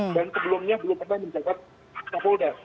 dan sebelumnya belum pernah menjelang kapolda